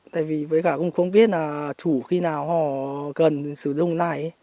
tại vì với cả cũng không biết là chủ khi nào họ cần sử dụng này